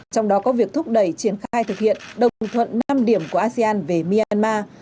trong đó có việc thúc đẩy triển khai thực hiện đồng thuận năm điểm của asean về myanmar